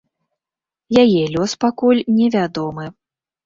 Яе лёс пакуль невядомы.